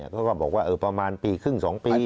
ก็บอกว่าประมาณปีครึ่ง๒ปี